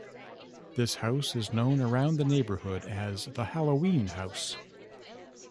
This house is known around the neighborhood as "The Halloween House".